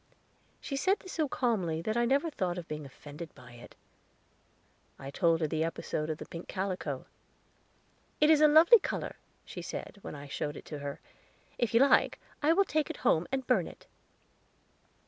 She said this so calmly that I never thought of being offended by it. I told her the episode of the pink calico. "It is a lovely color," she said, when I showed it to her. "If you like, I will take it home and burn it."